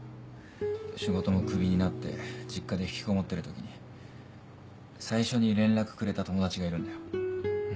仕事もクビになって実家で引きこもってる時に最初に連絡くれた友達がいるんだよ。